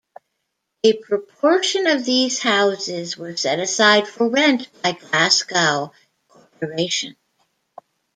A proportion of these houses were set aside for rent by Glasgow Corporation.